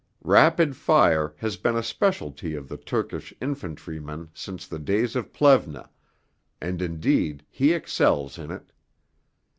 'Rapid fire' has been a speciality of the Turkish infantryman since the days of Plevna, and indeed he excels in it.